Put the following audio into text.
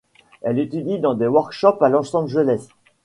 Elle étudie dans des workshops à Los Angeles.